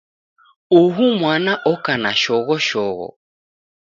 Uhu mwana oka na shoghoshogho.